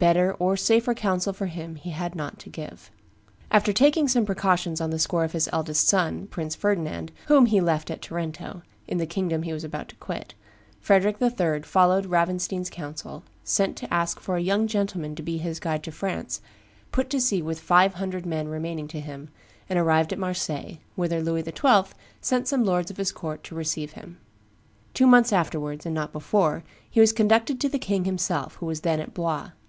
Better or safer counsel for him he had not to give." After taking some precautions on the score of his eldest son, Prince Ferdinand, whom he left at Tarento, in the kingdom he was about to quit, Frederick III. followed Ravenstein's counsel, sent to ask for "a young gentleman to be his guide to France," put to sea with five hundred men remaining to him, and arrived at Marseilles, whither Louis XII. sent some lords of his court to receive him. Two months afterwards, and not before, he was conducted to the king himself, who was then at Blois.